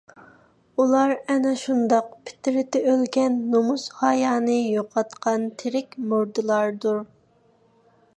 ئۇلار ئەنە شۇنداق پىترىتى ئۆلگەن، نۇمۇس - ھايانى يوقاتقان تىرىك مۇردىلاردۇر.